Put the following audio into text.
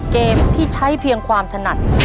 เกมที่ใช้เพียงความถนัด